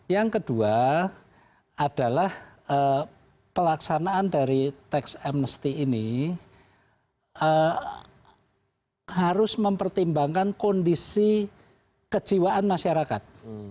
yang kedua adalah pelaksanaan dari tax amnesty ini harus mempertimbangkan kondisi kejiwaan masyarakat